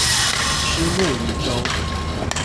虱目魚粥